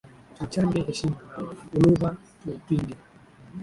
Tuichange heshima, na ulugha tuupinge,